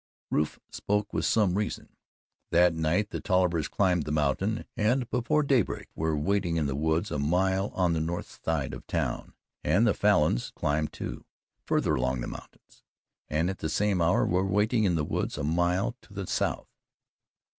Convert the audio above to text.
Rufe spoke with some reason. That night the Tollivers climbed the mountain, and before daybreak were waiting in the woods a mile on the north side of the town. And the Falins climbed, too, farther along the mountains, and at the same hour were waiting in the woods a mile to the south.